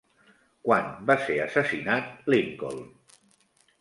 Quan va ser assassinat Lincoln?